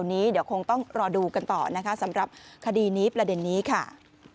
วันนี้เดี๋ยวคงต้องรอดูกันต่อนะคะสำหรับคดีนี้ประเด็นนี้ค่ะ